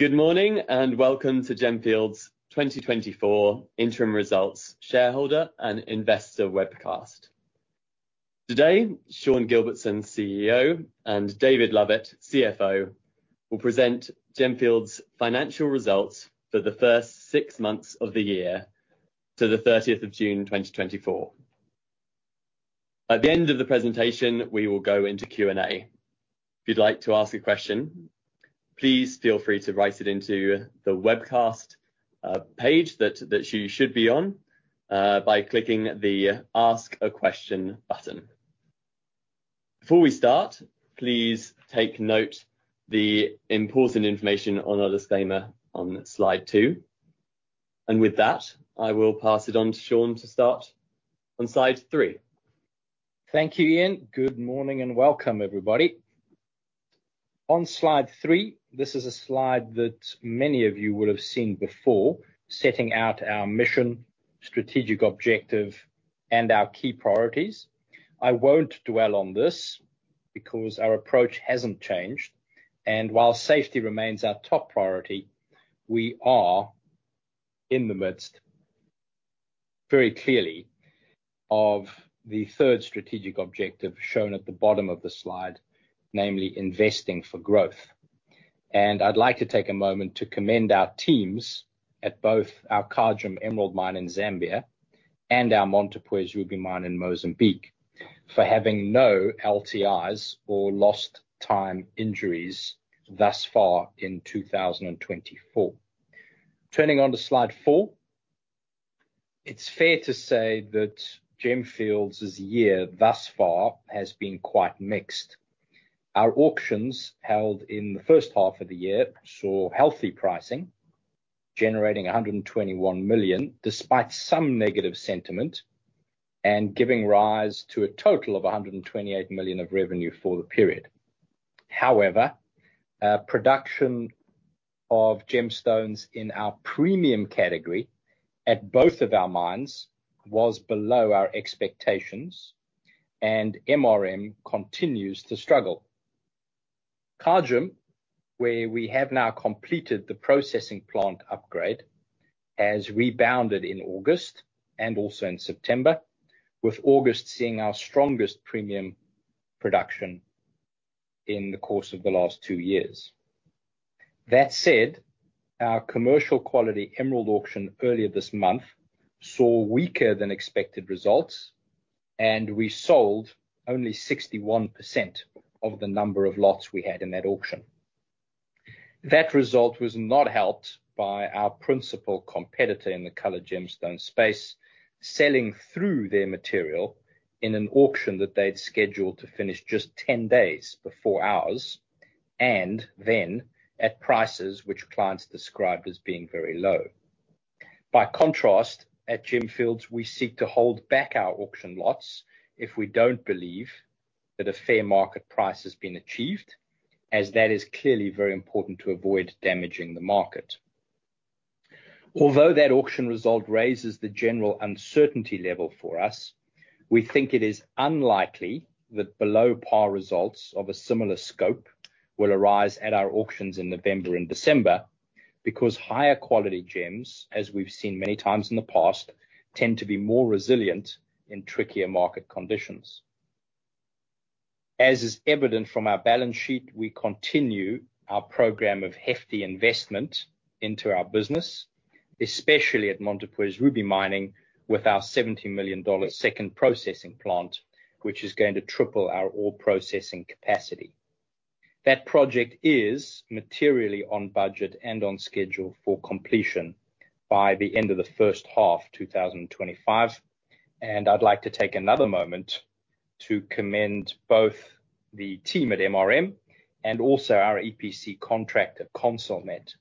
Good morning, and welcome to Gemfields' 2024 interim results shareholder and investor webcast. Today, Sean Gilbertson, CEO, and David Lovett, CFO, will present Gemfields' financial results for the first six months of the year to the 30th of June 2024. At the end of the presentation, we will go into Q&A. If you'd like to ask a question, please feel free to write it into the webcast page that you should be on by clicking the Ask a Question button. Before we start, please take note the important information on our disclaimer on slide two. With that, I will pass it on to Sean to start on slide three. Thank you, Ian. Good morning, and welcome, everybody. On slide three, this is a slide that many of you will have seen before, setting out our mission, strategic objective, and our key priorities. I won't dwell on this, because our approach hasn't changed, and while safety remains our top priority, we are in the midst, very clearly, of the third strategic objective shown at the bottom of the slide, namely investing for growth, and I'd like to take a moment to commend our teams at both our Kagem Emerald Mine in Zambia and our Montepuez Ruby Mine in Mozambique, for having no LTIs or lost time injuries thus far in 2024. Turning to slide four, it's fair to say that Gemfields' year thus far has been quite mixed. Our auctions, held in the first half of the year, saw healthy pricing, generating $121 million, despite some negative sentiment, and giving rise to a total of $128 million of revenue for the period. However, production of gemstones in our premium category at both of our mines was below our expectations, and MRM continues to struggle. Kagem, where we have now completed the processing plant upgrade, has rebounded in August and also in September, with August seeing our strongest premium production in the course of the last two years. That said, our commercial quality emerald auction earlier this month saw weaker than expected results, and we sold only 61% of the number of lots we had in that auction. That result was not helped by our principal competitor in the colored gemstone space, selling through their material in an auction that they'd scheduled to finish just ten days before ours, and then at prices which clients described as being very low. By contrast, at Gemfields, we seek to hold back our auction lots if we don't believe that a fair market price has been achieved, as that is clearly very important to avoid damaging the market. Although that auction result raises the general uncertainty level for us, we think it is unlikely that below-par results of a similar scope will arise at our auctions in November and December, because higher quality gems, as we've seen many times in the past, tend to be more resilient in trickier market conditions. As is evident from our balance sheet, we continue our program of hefty investment into our business, especially at Montepuez Ruby Mining, with our $70 million second processing plant, which is going to triple our ore processing capacity. That project is materially on budget and on schedule for completion by the end of the first half, 2025, and I'd like to take another moment to commend both the team at MRM and also our EPC contractor, Consulmet,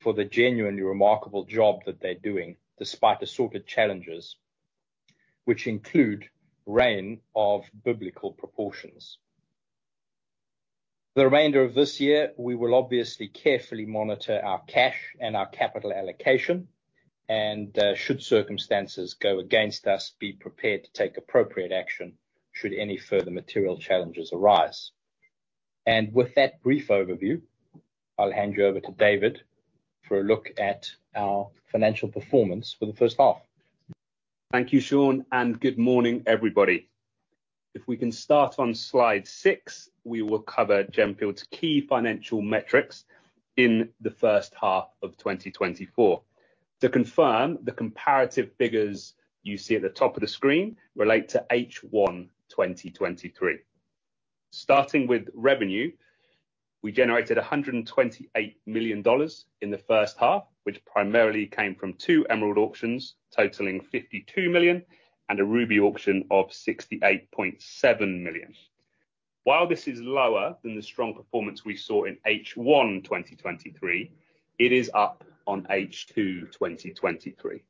for the genuinely remarkable job that they're doing, despite assorted challenges, which include rain of biblical proportions. For the remainder of this year, we will obviously carefully monitor our cash and our capital allocation and, should circumstances go against us, be prepared to take appropriate action should any further material challenges arise. With that brief overview, I'll hand you over to David for a look at our financial performance for the first half. Thank you, Sean, and good morning, everybody. If we can start on slide six, we will cover Gemfields' key financial metrics in the first half of 2024. To confirm, the comparative figures you see at the top of the screen relate to H1 2023. Starting with revenue, we generated $128 million in the first half, which primarily came from two emerald auctions, totaling $52 million, and a ruby auction of $68.7 million. While this is lower than the strong performance we saw in H1 2023, it is up on H2 2023.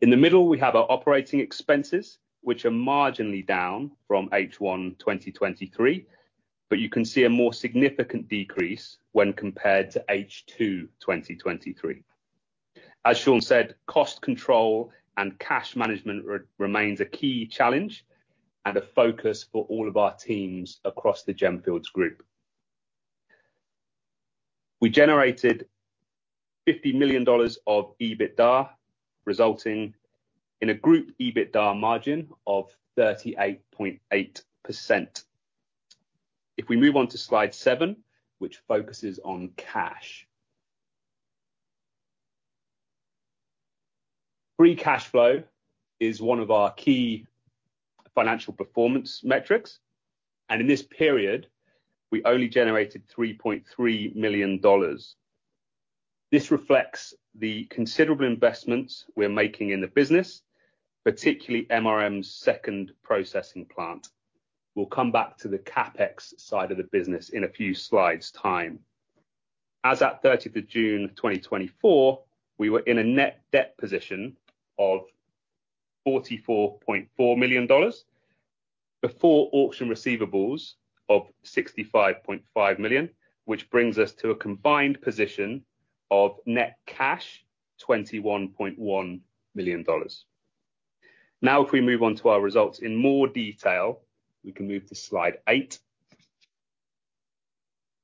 In the middle, we have our operating expenses, which are marginally down from H1 2023, but you can see a more significant decrease when compared to H2 2023. As Sean said, cost control and cash management remains a key challenge and a focus for all of our teams across the Gemfields Group. We generated $50 million of EBITDA, resulting in a group EBITDA margin of 38.8%. If we move on to slide seven, which focuses on cash. Free cash flow is one of our key financial performance metrics, and in this period, we only generated $3.3 million. This reflects the considerable investments we're making in the business, particularly MRM's second processing plant. We'll come back to the CapEx side of the business in a few slides' time. As at 30th of June, 2024, we were in a net debt position of $44.4 million, before auction receivables of $65.5 million, which brings us to a combined position of net cash, $21.1 million. Now, if we move on to our results in more detail, we can move to slide eight.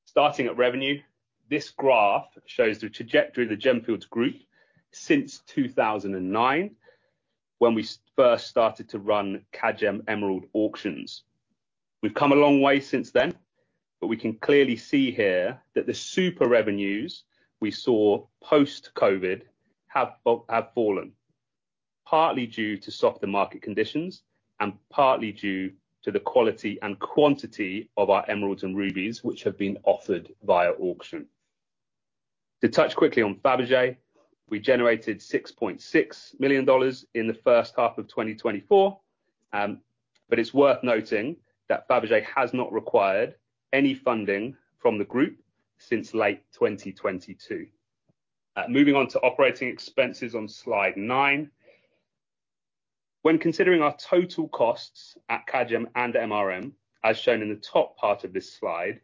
Starting at revenue, this graph shows the trajectory of the Gemfields Group since 2009, when we first started to run Kagem Emerald auctions. We've come a long way since then, but we can clearly see here that the super revenues we saw post-COVID have fallen, partly due to softer market conditions, and partly due to the quality and quantity of our emeralds and rubies, which have been offered via auction. To touch quickly on Fabergé, we generated $6.6 million in the first half of 2024, but it's worth noting that Fabergé has not required any funding from the group since late 2022. Moving on to operating expenses on slide nine. When considering our total costs at Kagem and MRM, as shown in the top part of this slide,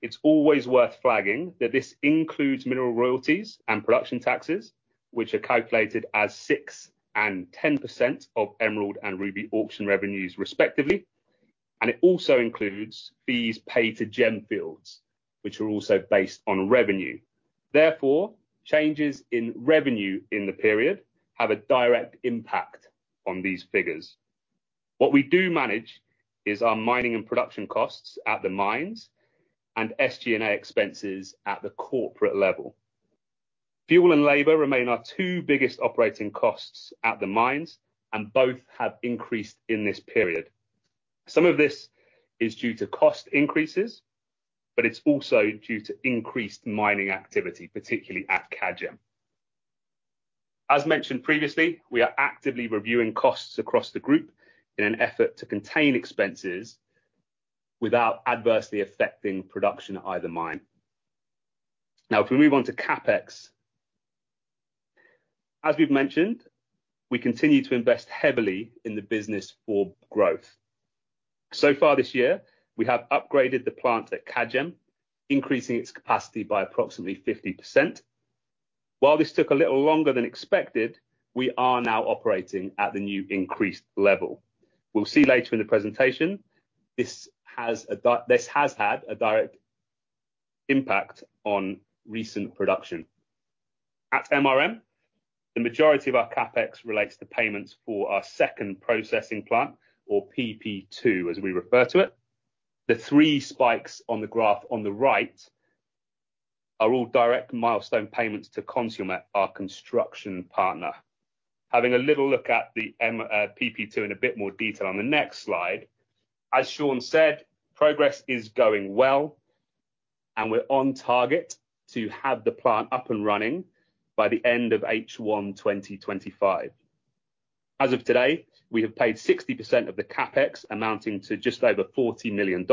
it's always worth flagging that this includes mineral royalties and production taxes, which are calculated as 6% and 10% of emerald and ruby auction revenues, respectively, and it also includes fees paid to Gemfields, which are also based on revenue. Therefore, changes in revenue in the period have a direct impact on these figures. What we do manage is our mining and production costs at the mines and SG&A expenses at the corporate level. Fuel and labor remain our two biggest operating costs at the mines, and both have increased in this period. Some of this is due to cost increases, but it's also due to increased mining activity, particularly at Kagem. As mentioned previously, we are actively reviewing costs across the group in an effort to contain expenses without adversely affecting production at either mine. Now, if we move on to CapEx. As we've mentioned, we continue to invest heavily in the business for growth. So far this year, we have upgraded the plant at Kagem, increasing its capacity by approximately 50%. While this took a little longer than expected, we are now operating at the new increased level. We'll see later in the presentation, this has had a direct impact on recent production. At MRM, the majority of our CapEx relates to payments for our second processing plant or PP2, as we refer to it. The three spikes on the graph on the right are all direct milestone payments to Consulmet, our construction partner. Having a little look at the PP2 in a bit more detail on the next slide. As Sean said, progress is going well, and we're on target to have the plant up and running by the end of H1 2025. As of today, we have paid 60% of the CapEx, amounting to just over $40 million.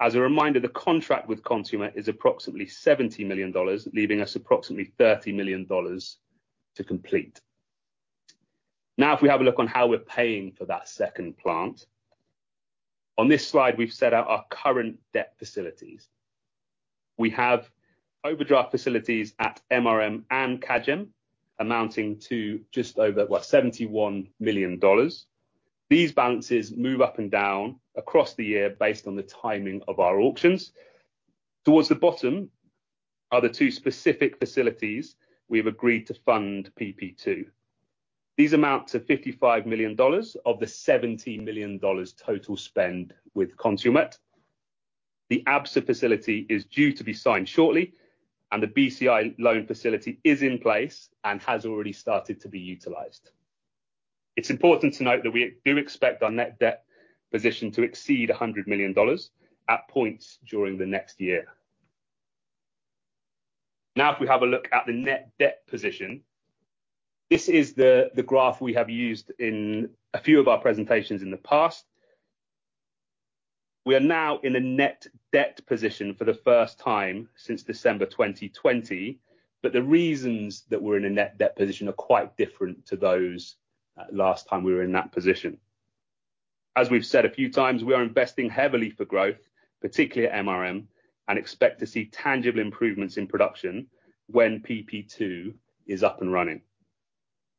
As a reminder, the contract with Consulmet is approximately $70 million, leaving us approximately $30 million to complete. Now, if we have a look on how we're paying for that second plant. On this slide, we've set out our current debt facilities. We have overdraft facilities at MRM and Kagem, amounting to just over, what? $71 million. These balances move up and down across the year based on the timing of our auctions. Towards the bottom are the two specific facilities we've agreed to fund PP2. These amount to $55 million of the $70 million total spend with Consulmet. The Absa facility is due to be signed shortly, and the BCI loan facility is in place and has already started to be utilized. It's important to note that we do expect our net debt position to exceed $100 million at points during the next year. Now, if we have a look at the net debt position, this is the graph we have used in a few of our presentations in the past. We are now in a net debt position for the first time since December 2020, but the reasons that we're in a net debt position are quite different to those last time we were in that position. As we've said a few times, we are investing heavily for growth, particularly at MRM, and expect to see tangible improvements in production when PP2 is up and running.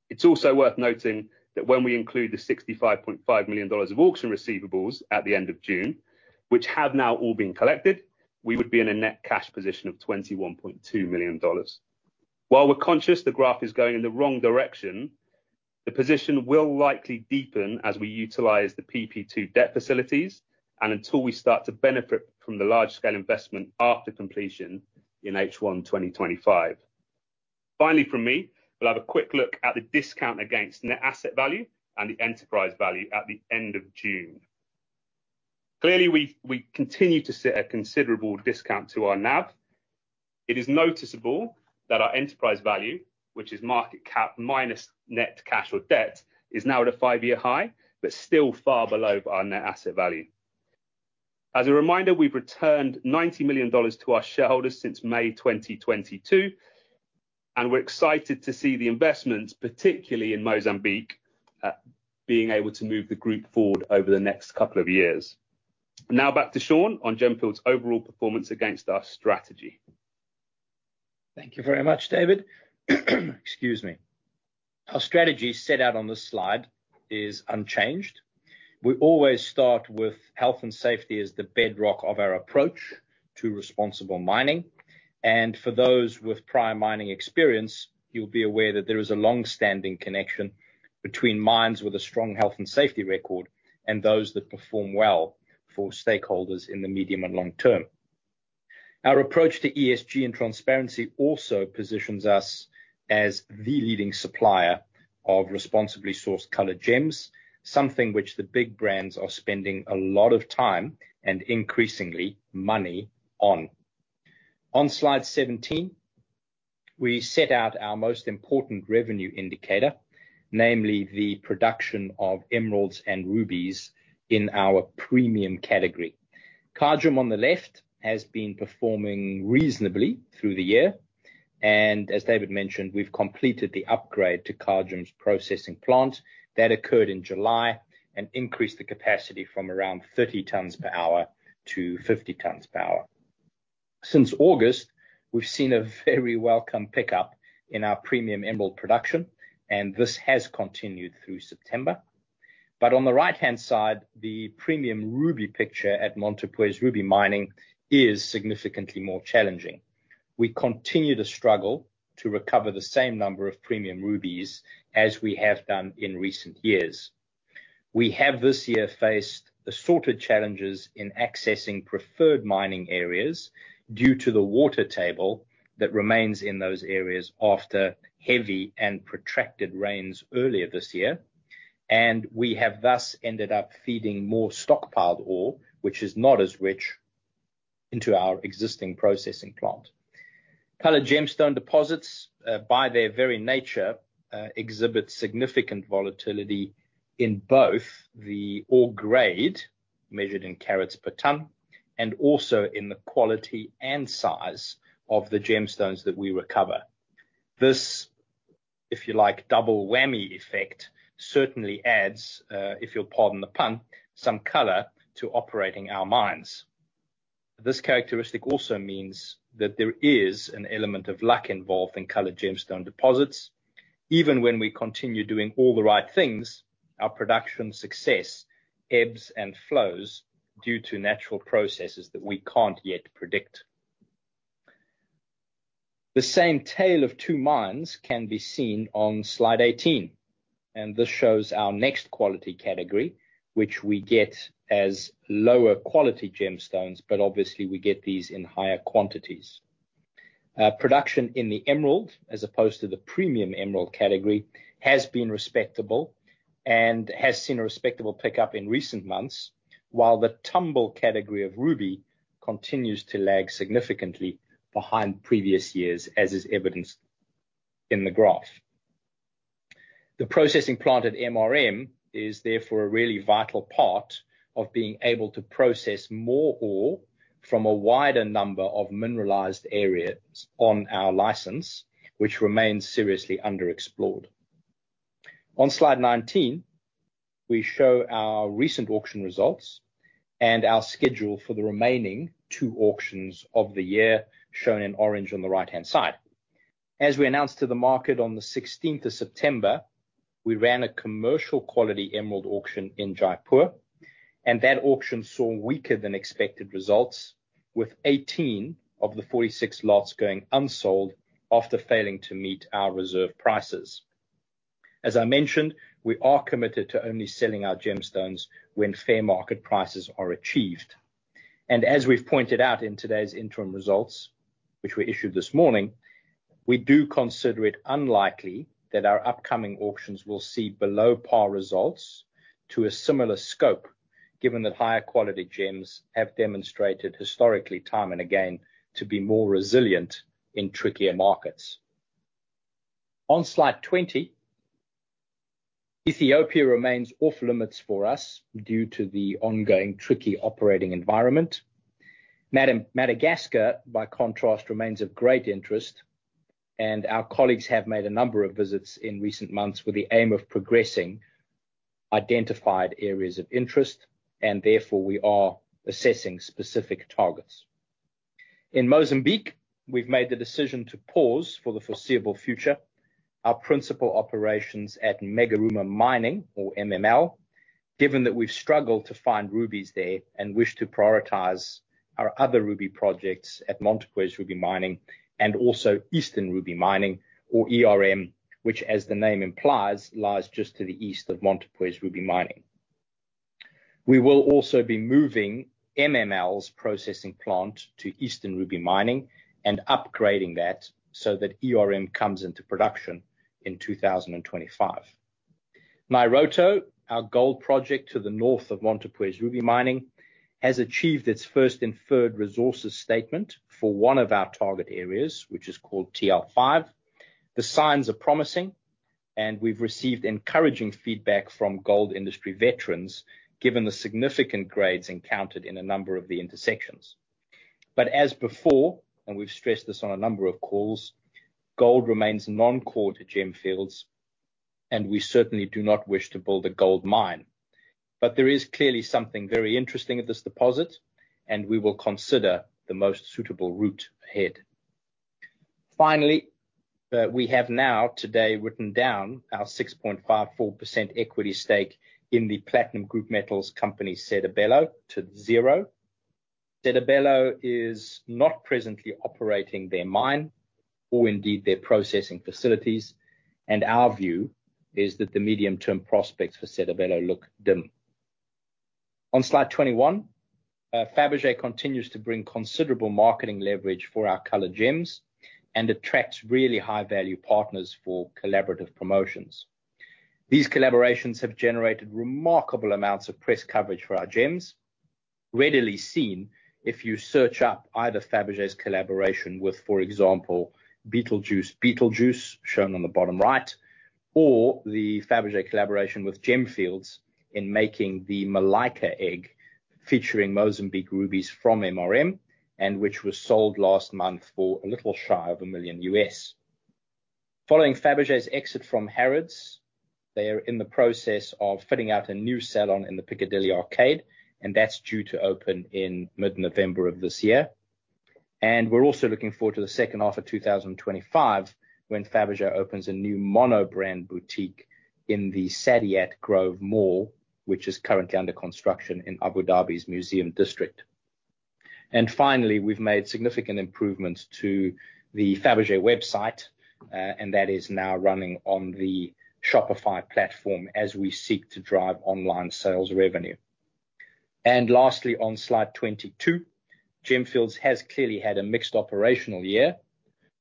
It's also worth noting that when we include the $65.5 million of auction receivables at the end of June, which have now all been collected, we would be in a net cash position of $21.2 million. While we're conscious the graph is going in the wrong direction, the position will likely deepen as we utilize the PP2 debt facilities and until we start to benefit from the large-scale investment after completion in H1 2025. Finally, from me, we'll have a quick look at the discount against net asset value and the enterprise value at the end of June. Clearly, we continue to see a considerable discount to our NAV. It is noticeable that our enterprise value, which is market cap minus net cash or debt, is now at a five-year high, but still far below our net asset value. As a reminder, we've returned $90 million to our shareholders since May 2022, and we're excited to see the investments, particularly in Mozambique, being able to move the group forward over the next couple of years. Now, back to Sean on Gemfields' overall performance against our strategy. Thank you very much, David. Excuse me. Our strategy set out on this slide is unchanged. We always start with health and safety as the bedrock of our approach to responsible mining, and for those with prior mining experience, you'll be aware that there is a long-standing connection between mines with a strong health and safety record and those that perform well for stakeholders in the medium and long term. Our approach to ESG and transparency also positions us as the leading supplier of responsibly sourced colored gems, something which the big brands are spending a lot of time and, increasingly, money on. On slide 17, we set out our most important revenue indicator, namely the production of emeralds and rubies in our premium category. Kagem, on the left, has been performing reasonably through the year, and as David mentioned, we've completed the upgrade to Kagem's processing plant. That occurred in July and increased the capacity from around 30 tons per hour to 50 tons per hour. Since August, we've seen a very welcome pickup in our premium emerald production, and this has continued through September. But on the right-hand side, the premium ruby picture at Montepuez Ruby Mining is significantly more challenging. We continue to struggle to recover the same number of premium rubies as we have done in recent years. We have, this year, faced assorted challenges in accessing preferred mining areas due to the water table that remains in those areas after heavy and protracted rains earlier this year, and we have thus ended up feeding more stockpiled ore, which is not as rich, into our existing processing plant. Colored gemstone deposits, by their very nature, exhibit significant volatility in both the ore grade, measured in carats per ton, and also in the quality and size of the gemstones that we recover. This, if you like, double whammy effect, certainly adds, if you'll pardon the pun, some color to operating our mines. This characteristic also means that there is an element of luck involved in colored gemstone deposits. Even when we continue doing all the right things, our production success ebbs and flows due to natural processes that we can't yet predict. The same tale of two mines can be seen on slide eighteen, and this shows our next quality category, which we get as lower quality gemstones, but obviously, we get these in higher quantities. Production in the emerald, as opposed to the premium emerald category, has been respectable and has seen a respectable pickup in recent months, while the tumble category of ruby continues to lag significantly behind previous years, as is evidenced in the graph. The processing plant at MRM is therefore a really vital part of being able to process more ore from a wider number of mineralized areas on our license, which remains seriously underexplored. On Slide 19, we show our recent auction results and our schedule for the remaining two auctions of the year, shown in orange on the right-hand side. As we announced to the market on the 16th of September, we ran a commercial quality emerald auction in Jaipur, and that auction saw weaker than expected results, with 18 of the 46 lots going unsold after failing to meet our reserve prices. As I mentioned, we are committed to only selling our gemstones when fair market prices are achieved, and as we've pointed out in today's interim results, which were issued this morning, we do consider it unlikely that our upcoming auctions will see below par results to a similar scope, given that higher quality gems have demonstrated historically, time and again, to be more resilient in trickier markets. On slide twenty, Ethiopia remains off-limits for us due to the ongoing tricky operating environment. Madagascar, by contrast, remains of great interest, and our colleagues have made a number of visits in recent months with the aim of progressing identified areas of interest, and therefore, we are assessing specific targets. In Mozambique, we've made the decision to pause, for the foreseeable future, our principal operations at Megaruma Mining, or MML, given that we've struggled to find rubies there and wish to prioritize our other ruby projects at Montepuez Ruby Mining and also Eastern Ruby Mining, or ERM, which, as the name implies, lies just to the east of Montepuez Ruby Mining. We will also be moving MML's processing plant to Eastern Ruby Mining and upgrading that so that ERM comes into production in 2025. Nairoto, our gold project to the north of Montepuez Ruby Mining, has achieved its first inferred resources statement for one of our target areas, which is called TL5. The signs are promising, and we've received encouraging feedback from gold industry veterans, given the significant grades encountered in a number of the intersections. But as before, and we've stressed this on a number of calls, gold remains non-core to Gemfields, and we certainly do not wish to build a gold mine. But there is clearly something very interesting at this deposit, and we will consider the most suitable route ahead. Finally, we have now today written down our 6.54% equity stake in the Platinum Group Metals company, Sedibelo, to zero. Sedibelo is not presently operating their mine or indeed their processing facilities, and our view is that the medium-term prospects for Sedibelo look dim. On slide 21, Fabergé continues to bring considerable marketing leverage for our colored gems and attracts really high-value partners for collaborative promotions. These collaborations have generated remarkable amounts of press coverage for our gems, readily seen if you search up either Fabergé's collaboration with, for example, Beetlejuice Beetlejuice, shown on the bottom right, or the Fabergé collaboration with Gemfields in making the Malaika Egg, featuring Mozambique rubies from MRM, and which was sold last month for a little shy of $1 million. Following Fabergé's exit from Harrods, they are in the process of fitting out a new salon in the Piccadilly Arcade, and that's due to open in mid-November of this year. And we're also looking forward to the second half of 2025, when Fabergé opens a new mono-brand boutique in the Saadiyat Grove Mall, which is currently under construction in Abu Dhabi's museum district. And finally, we've made significant improvements to the Fabergé website, and that is now running on the Shopify platform as we seek to drive online sales revenue. And lastly, on slide 22, Gemfields has clearly had a mixed operational year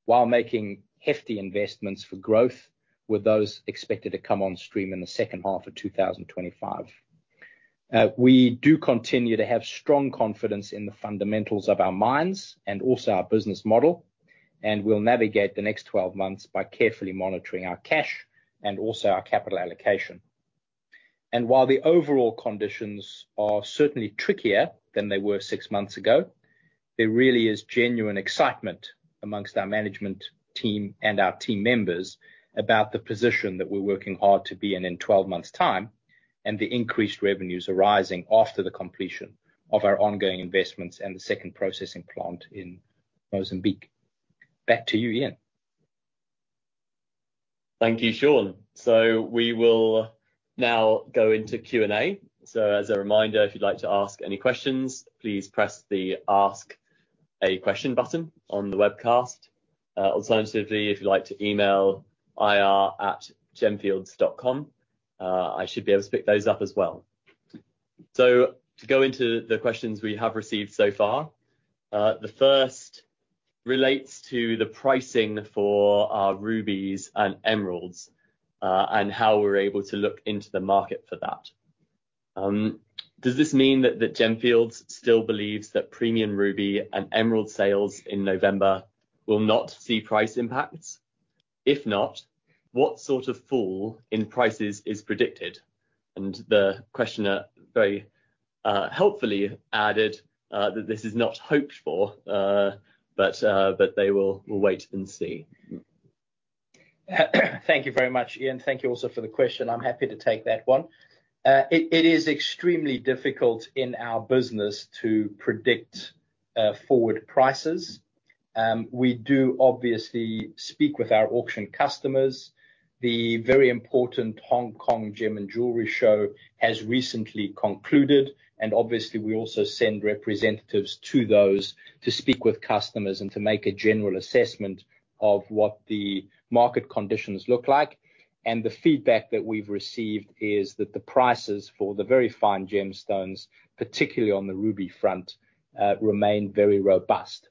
while making hefty investments for growth, with those expected to come on stream in the second half of 2025. We do continue to have strong confidence in the fundamentals of our mines and also our business model, and we'll navigate the next 12 months by carefully monitoring our cash and also our capital allocation. While the overall conditions are certainly trickier than they were six months ago, there really is genuine excitement among our management team and our team members about the position that we're working hard to be in in 12 months' time, and the increased revenues arising after the completion of our ongoing investments and the second processing plant in Mozambique. Back to you, Ian. Thank you, Sean. We will now go into Q&A. As a reminder, if you'd like to ask any questions, please press the Ask a Question button on the webcast. Alternatively, if you'd like to email ir@gemfields.com, I should be able to pick those up as well. To go into the questions we have received so far, the first relates to the pricing for our rubies and emeralds, and how we're able to look into the market for that. Does this mean that Gemfields still believes that premium ruby and emerald sales in November will not see price impacts? If not, what sort of fall in prices is predicted? And the questioner very helpfully added that this is not hoped for, but they will wait and see. Thank you very much, Ian. Thank you also for the question. I'm happy to take that one. It is extremely difficult in our business to predict forward prices. We do obviously speak with our auction customers. The very important Hong Kong Gem and Jewellery Show has recently concluded, and obviously, we also send representatives to those to speak with customers and to make a general assessment of what the market conditions look like, and the feedback that we've received is that the prices for the very fine gemstones, particularly on the ruby front, remain very robust.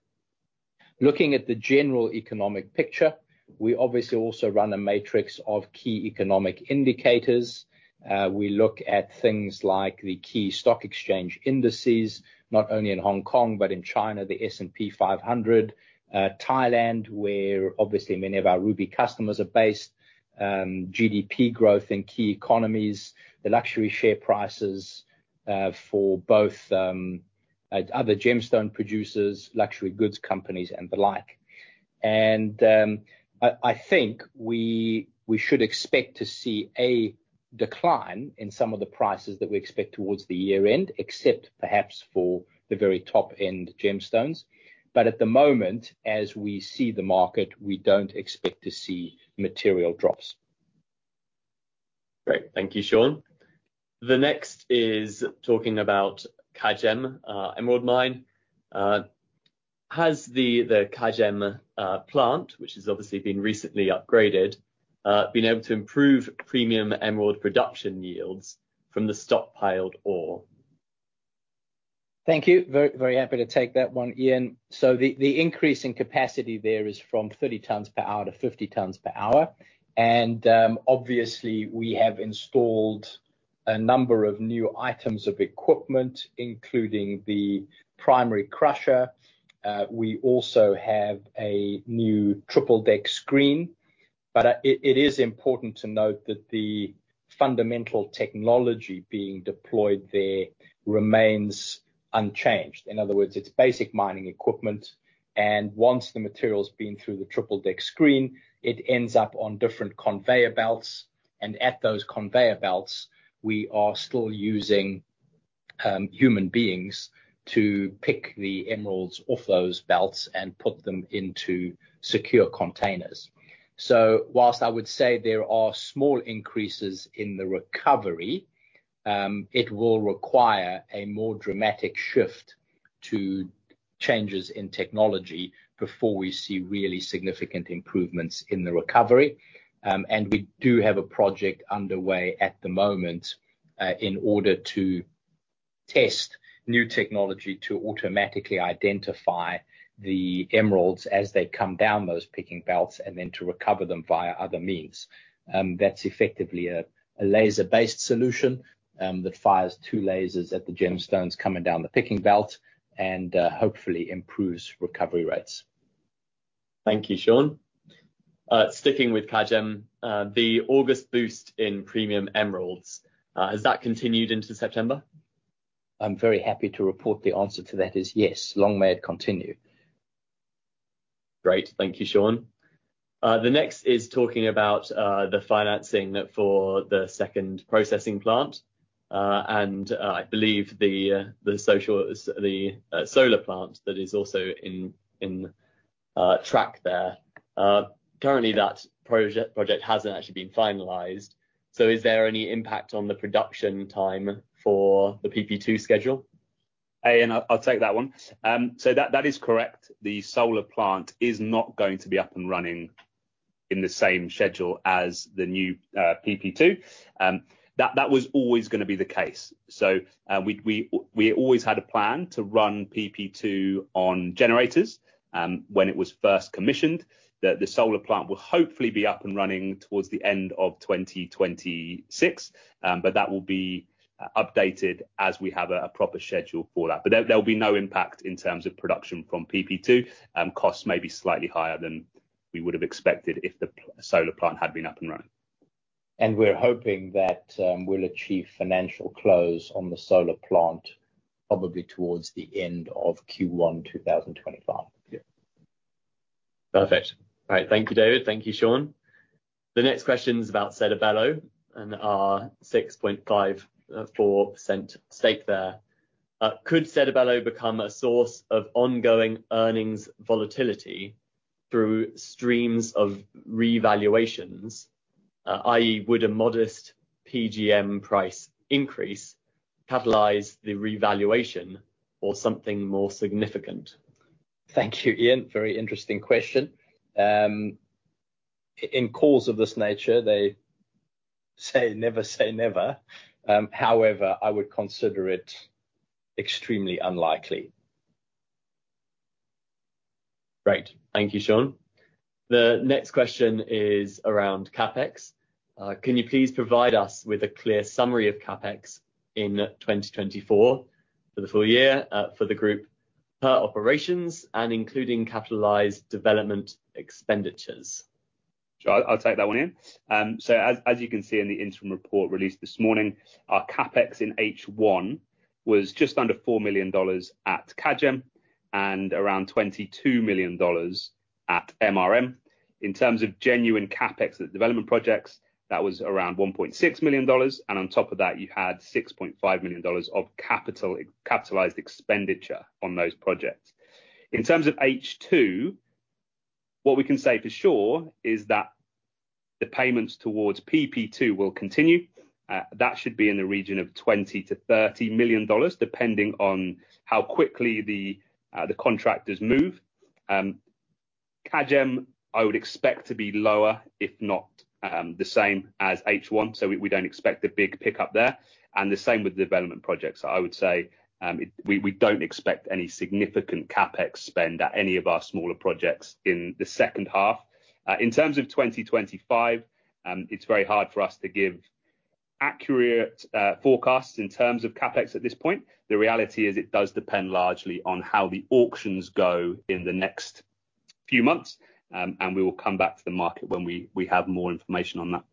Looking at the general economic picture, we obviously also run a matrix of key economic indicators. We look at things like the key stock exchange indices, not only in Hong Kong, but in China, the S&P 500, Thailand, where obviously many of our ruby customers are based, GDP growth in key economies, the luxury share prices for both other gemstone producers, luxury goods companies, and the like. I think we should expect to see a decline in some of the prices that we expect towards the year end, except perhaps for the very top-end gemstones. But at the moment, as we see the market, we do not expect to see material drops. Great, thank you, Sean. The next is talking about Kagem Emerald Mine. Has the Kagem plant, which has obviously been recently upgraded, been able to improve premium emerald production yields from the stockpiled ore? Thank you. Very, very happy to take that one, Ian. The increase in capacity there is from 30 tons per hour to 50 tons per hour, and obviously, we have installed a number of new items of equipment, including the primary crusher. We also have a new triple deck screen, but it is important to note that the fundamental technology being deployed there remains unchanged. In other words, it's basic mining equipment, and once the material's been through the triple deck screen, it ends up on different conveyor belts, and at those conveyor belts, we are still using human beings to pick the emeralds off those belts and put them into secure containers. So while I would say there are small increases in the recovery, it will require a more dramatic shift to changes in technology before we see really significant improvements in the recovery. And we do have a project underway at the moment, in order to test new technology to automatically identify the emeralds as they come down those picking belts, and then to recover them via other means. That's effectively a laser-based solution, that fires two lasers at the gemstones coming down the picking belt and, hopefully improves recovery rates. Thank you, Sean. Sticking with Kagem, the August boost in premium emeralds, has that continued into September? I'm very happy to report the answer to that is yes, long may it continue. Great. Thank you, Sean. The next is talking about the financing for the second processing plant, and I believe the solar plant that is also on track there. Currently that project hasn't actually been finalized, so is there any impact on the production time for the PP2 schedule? Hey, and I'll take that one. So that is correct. The solar plant is not going to be up and running in the same schedule as the new PP2. That was always gonna be the case. So we always had a plan to run PP2 on generators when it was first commissioned. That the solar plant will hopefully be up and running towards the end of 2026. But that will be updated as we have a proper schedule for that. But there'll be no impact in terms of production from PP2. Costs may be slightly higher than we would have expected if the solar plant had been up and running. We're hoping that we'll achieve financial close on the solar plant, probably towards the end of Q1 2025. Yeah. Perfect. All right. Thank you, David. Thank you, Sean. The next question's about Sedibelo and our 6.54% stake there. Could Sedibelo become a source of ongoing earnings volatility through streams of revaluations? i.e., would a modest PGM price increase catalyze the revaluation or something more significant? Thank you, Ian. Very interesting question. In calls of this nature, they say, "Never say never." However, I would consider it extremely unlikely. Great. Thank you, Sean. The next question is around CapEx. Can you please provide us with a clear summary of CapEx in 2024 for the full year, for the group per operations and including capitalized development expenditures? Sure. I'll take that one, Ian. So as, as you can see in the interim report released this morning, our CapEx in H1 was just under $4 million at Kagem and around $22 million at MRM. In terms of genuine CapEx at development projects, that was around $1.6 million, and on top of that, you had $6.5 million of capital, capitalized expenditure on those projects. In terms of H2, what we can say for sure is that the payments towards PP2 will continue. That should be in the region of $20 million-$30 million, depending on how quickly the, the contractors move. Kagem, I would expect to be lower, if not, the same as H1, so we, we don't expect a big pickup there, and the same with the development projects. I would say, we don't expect any significant CapEx spend at any of our smaller projects in the second half. In terms of 2025, it's very hard for us to give accurate forecasts in terms of CapEx at this point. The reality is it does depend largely on how the auctions go in the next few months, and we will come back to the market when we have more information on that.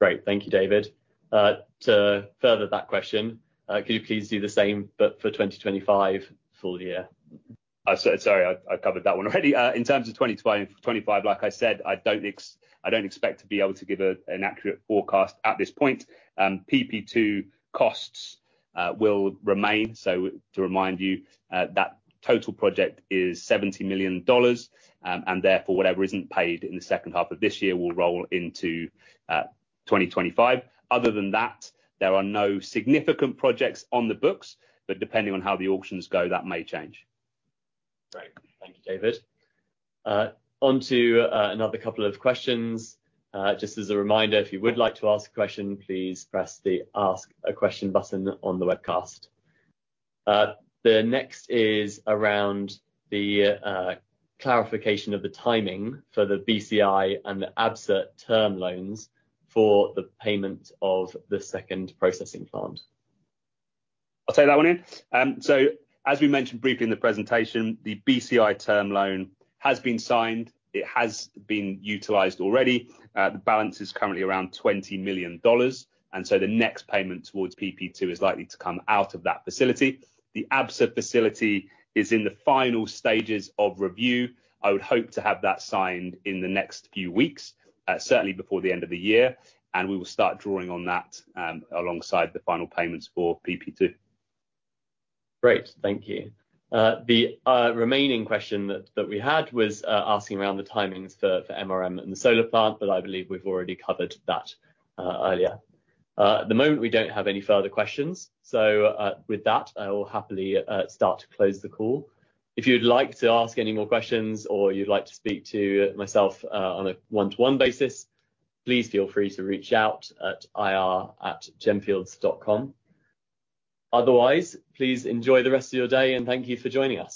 Great. Thank you, David. To further that question, could you please do the same, but for 2025 full year? Sorry, I covered that one already. In terms of 2025, like I said, I don't expect to be able to give an accurate forecast at this point. PP2 costs will remain, so to remind you, that total project is $70 million, and therefore, whatever isn't paid in the second half of this year will roll into 2025. Other than that, there are no significant projects on the books, but depending on how the auctions go, that may change. Great. Thank you, David. Onto another couple of questions. Just as a reminder, if you would like to ask a question, please press the Ask a Question button on the webcast. The next is around the clarification of the timing for the BCI and the Absa term loans for the payment of the second processing plant. I'll take that one in. So as we mentioned briefly in the presentation, the BCI term loan has been signed. It has been utilized already. The balance is currently around $20 million, and so the next payment towards PP2 is likely to come out of that facility. The Absa facility is in the final stages of review. I would hope to have that signed in the next few weeks, certainly before the end of the year, and we will start drawing on that, alongside the final payments for PP2. Great, thank you. The remaining question that we had was asking around the timings for MRM and the solar plant, but I believe we've already covered that earlier. At the moment, we don't have any further questions, so with that, I will happily start to close the call. If you'd like to ask any more questions or you'd like to speak to myself on a one-to-one basis, please feel free to reach out at ir@gemfields.com. Otherwise, please enjoy the rest of your day, and thank you for joining us.